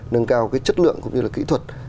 nâng cao cái chất lượng cũng như là kỹ thuật